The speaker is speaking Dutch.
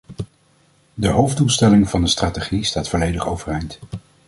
De hoofddoelstelling van de strategie staat volledig overeind.